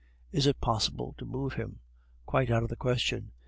"Is it possible to move him?" "Quite out of the question.